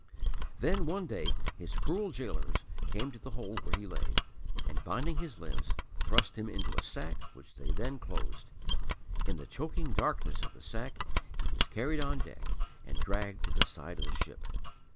Then one day his cruel gaolers came to the hold where he lay, and, binding his limbs, thrust him into a sack, which they then closed. In the choking darkness of the sack he was carried on deck and dragged to the side of the ship.